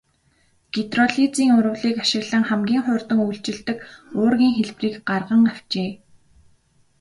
Гидролизын урвалыг ашиглан хамгийн хурдан үйлчилдэг уургийн хэлбэрийг гарган авчээ.